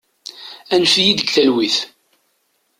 Annef-iyi deg talwit!